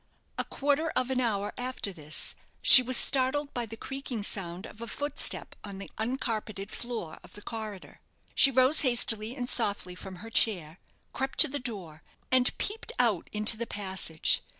A quarter of an hour after this, she was startled by the creaking sound of a footstep on the uncarpeted floor of the corridor. She rose hastily and softly from her chair, crept to the door, and peeped put into the passage.